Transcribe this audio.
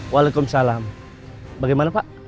waalaikumsalam bagaimana pak